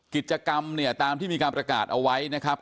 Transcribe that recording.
กิจกรรมเนี่ยตามที่มีการประกาศเอาไว้นะครับ